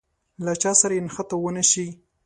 له چا سره يې نښته ونه شي.